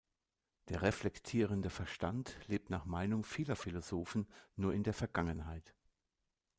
Der reflektierende Verstand lebt nach Meinung vieler Philosophen nur in der Vergangenheit.